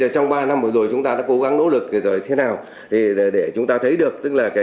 trong ba năm rồi chúng ta đã cố gắng nỗ lực rồi thế nào để chúng ta thấy được